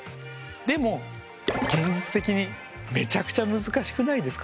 でも現実的にめちゃくちゃ難しくないですか？